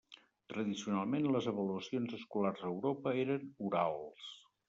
Tradicionalment, les avaluacions escolars a Europa eren orals.